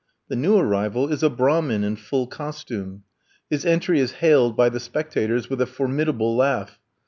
The new arrival is a Brahmin, in full costume. His entry is hailed by the spectators with a formidable laugh.